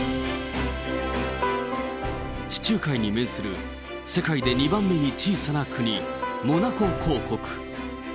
地中海に面する世界で２番目に小さな国、モナコ公国。